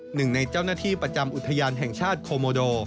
หนึ่งในเจ้าหน้าที่ประจำอุทยานแห่งชาติโคโมโด